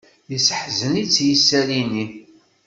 Yesseḥzen-itt yisalli-nni.